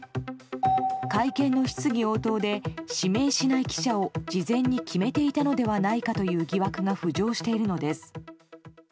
会見の質疑応答で指名しない記者を事前に決めていたのではないかという疑惑が浮上しているのです。